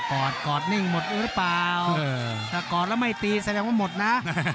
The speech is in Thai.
อดกอดนิ่งหมดหรือเปล่าถ้ากอดแล้วไม่ตีแสดงว่าหมดนะ